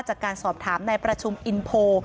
จากการสอบถามในประชุมอินโปร์